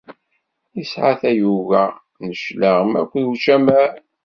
Yesɛa tayuga n cclaɣem akked ucamar.